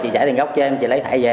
chị trả tiền gốc cho em chị lấy thẻ về